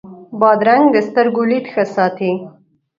بادرنګ د سترګو لید ښه ساتي.